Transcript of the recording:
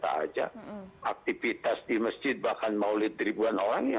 tidak terjaga aktivitas di masjid bahkan maulid ribuan orangnya